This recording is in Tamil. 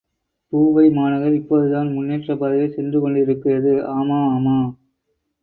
பூவைமாநகர் இப்போதுதான் முன்னேற்றப் பாதையில் சென்று கொண்டிருக்கிறது ஆமா, ஆமா!